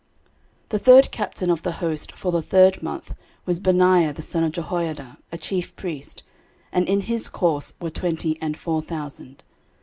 13:027:005 The third captain of the host for the third month was Benaiah the son of Jehoiada, a chief priest: and in his course were twenty and four thousand.